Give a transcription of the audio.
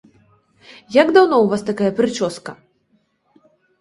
Як даўно ў вас такая прычоска?